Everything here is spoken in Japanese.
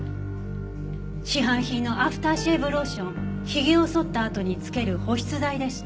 市販品のアフターシェーブローションヒゲを剃ったあとにつける保湿剤でした。